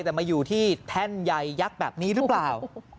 แต่มาอยู่ที่แท่นใยยักษ์แบบนี้หรือเปล่า